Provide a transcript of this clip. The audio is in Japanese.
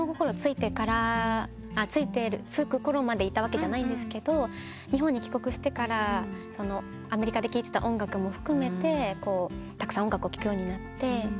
付くころまでいたわけじゃないんですけど日本に帰国してからアメリカで聴いてた音楽も含めてたくさん音楽を聴くようになって。